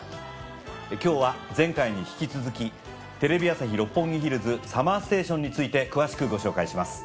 今日は前回に引き続きテレビ朝日・六本木ヒルズＳＵＭＭＥＲＳＴＡＴＩＯＮについて詳しくご紹介します。